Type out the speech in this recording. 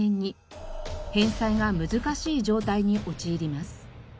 返済が難しい状態に陥ります。